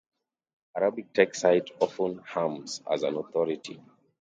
Arabic texts cite often Hermes as an authority.